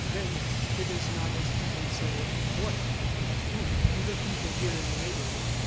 "Then it is not as people say?" "What people? Who?" "The people here in the neighborhood."